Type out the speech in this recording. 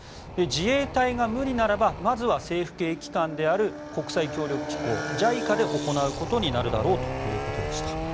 自衛隊が無理ならばまずは政府系機関である国際協力機構・ＪＩＣＡで行うことになるだろうということでした。